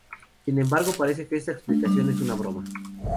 Sin embargo, parece que esta explicación es una broma.